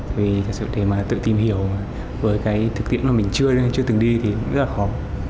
vì thật sự để mà tự tìm hiểu với cái thực tiễn mà mình chưa từng đi thì cũng rất là khó